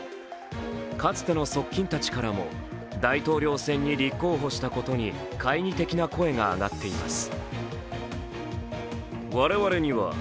かつての側近たちからも大統領選に立候補したことに懐疑的な声が上がっています。